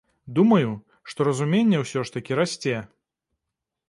Думаю, што разуменне ўсё ж такі расце.